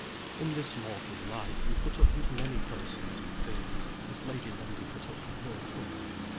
In this mortal life we put up with many persons and things, as Lady Lundie put up with her cook.